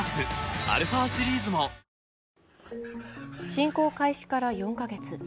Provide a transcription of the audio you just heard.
侵攻開始から４カ月。